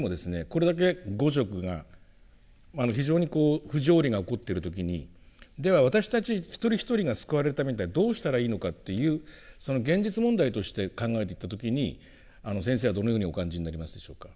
これだけ「五濁」が非常にこう不条理が起こってる時にでは私たち一人一人が救われるためにどうしたらいいのかっていうその現実問題として考えていった時に先生はどのようにお感じになりますでしょうか？